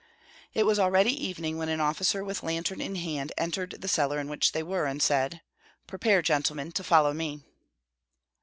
It was already evening when an officer with lantern in hand entered the cellar in which they were, and said, "Prepare, gentlemen, to follow me."